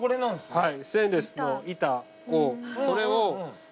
はい。